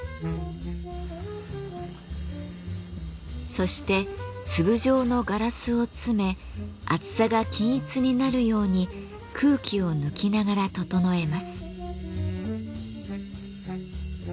そして粒状のガラスを詰め厚さが均一になるように空気を抜きながら整えます。